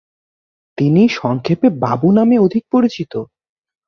তিনি সংক্ষেপে বাবু নামে অধিক পরিচিত।